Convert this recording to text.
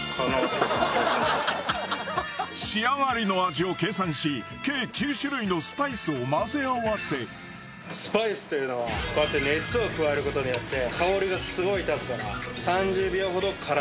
仕上がりの味を計算し計９種類のスパイスを混ぜ合わせスパイスというのは熱を加えることによって香りがすごい立つから。